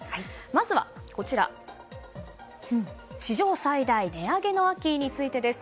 まずはこちら、史上最大値上げの秋についてです。